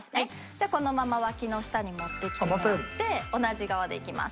じゃあこのまま脇の下に持ってきてもらって同じ側でいきます。